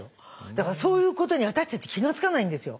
だからそういうことに私たち気が付かないんですよ。